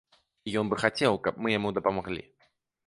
І ён бы хацеў, каб мы яму дапамаглі.